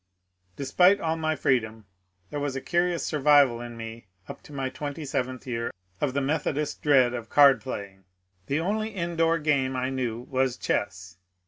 Despite all my freedom there was a curious survival in me up to my twenty seventh year of the Methodist dread of card playing. The only indoor game I knew was chess.